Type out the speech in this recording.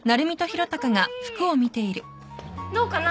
どうかな？